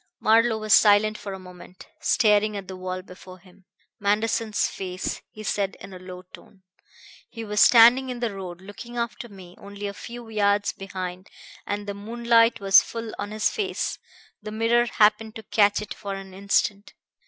Marlowe was silent for a moment, staring at the wall before him. "Manderson's face," he said in a low tone. "He was standing in the road, looking after me, only a few yards behind, and the moonlight was full on his face. The mirror happened to catch it for an instant.